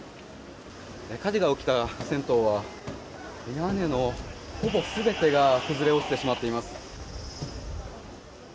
火事が起きた銭湯は屋根のほぼ全てが崩れ落ちてしまっています。